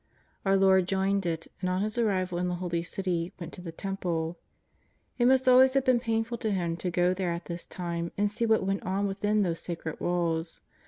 Our Lord joined it, and on His arrival in the Holy City went to the Temple. It must always have been painful to Him to go there at this time and see what went on within those sacred walls.